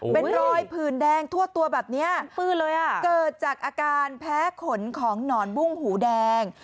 เป็นรอยผื่นแดงทั่วตัวแบบนี้เกิดจากอาการแพ้ขนของหนอนบุ้งหูแดง